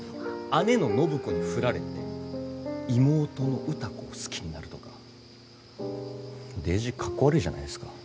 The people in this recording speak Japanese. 姉の暢子に振られて妹の歌子を好きになるとかデージ格好悪いじゃないですか。